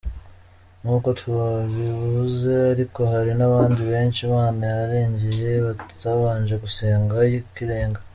Nk’uko twabivuze ariko hari n’abandi benshi Imana yarengeye batabanje gusenga ayikirenga.